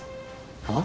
はあ？